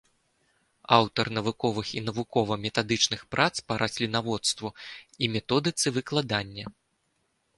Аўтар навуковых і навукова-метадычных прац па раслінаводству і методыцы выкладання.